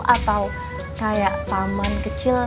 atau kayak taman kecil